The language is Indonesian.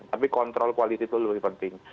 tapi kontrol koalisi itu lebih penting